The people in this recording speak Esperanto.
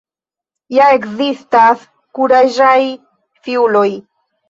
Ja ekzistas kuraĝaj fiuloj!